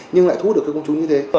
nhưng lại thu hút được công chúng như thế